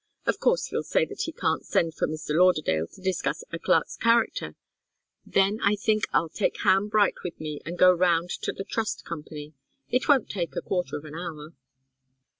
Of course he'll say that he can't send for Mr. Lauderdale to discuss a clerk's character. Then I think I'll take Ham Bright with me and go round to the Trust Company. It won't take a quarter of an hour."